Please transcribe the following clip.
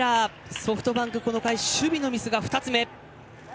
ソフトバンクこの回守備の乱れ２つ目。